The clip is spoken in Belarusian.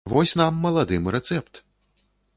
Вось нам, маладым, рэцэпт!